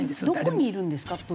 どこにいるんですか？